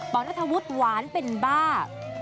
ป๋อนัฐวุธหวานเป็นบ้า